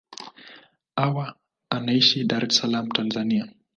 Hawa anaishi Dar es Salaam, Tanzania.